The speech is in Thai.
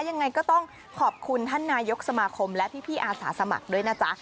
ยังไงก็ต้องขอบคุณท่านนายกสมาคมและพี่อาสาสมัครด้วยนะจ๊ะ